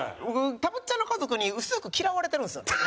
僕たぶっちゃんの家族に薄く嫌われてるんですよ。